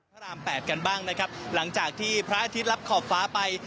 พระราม๘กันบ้างนะครับหลังจากที่พระอาทิตย์รับขอบฟ้าไป